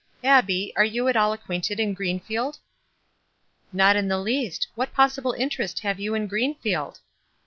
" Abbie, are you at all acquainted in Greenfield ?" "Not in the least. What possible interest have you in Greenfield